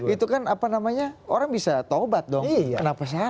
itu kan orang bisa tobat dong kenapa salah